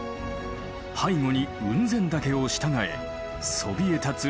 背後に雲仙岳を従えそびえ立つ